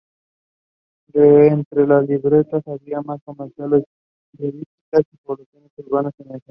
De entre los liberales había más comerciantes, periodistas, y poblaciones urbanas en general.